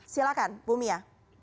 silahkan ibu mia